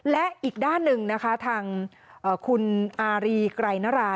และอีกด้านหนึ่งนะคะทางคุณอารีไกรนรา